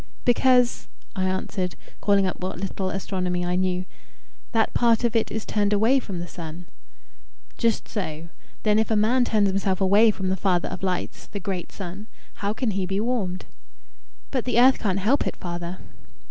"Because," I answered, calling up what little astronomy I knew, "that part of it is turned away from the sun." "Just so. Then if a man turns himself away from the Father of Lights the great Sun how can he be warmed?" "But the earth can't help it, father."